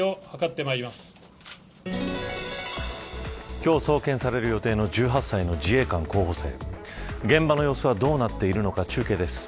今日送検される予定の１８歳の自衛官候補生現場の様子はどうなっているのか中継です。